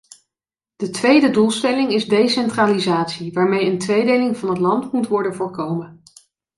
De tweede doelstelling is decentralisatie, waarmee een tweedeling van het land moet worden voorkomen.